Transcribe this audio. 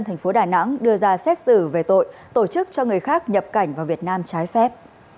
thành phố đà nẵng đưa ra xét xử về tội tổ chức cho người khác nhập cảnh vào việt nam trái phép